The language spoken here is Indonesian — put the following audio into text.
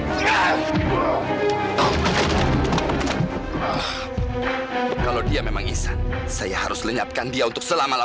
jangan lakukan apa apa amirah